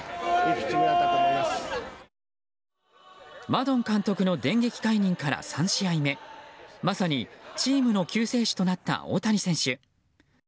マドン監督の電撃解任から３試合目まさにチームの救世主となった大谷選手。